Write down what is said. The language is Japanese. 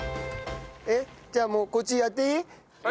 えっじゃあもうこっちやっていい？